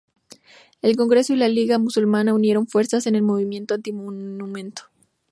El Congreso y la liga musulmana unieron fuerzas en el movimiento anti-monumento.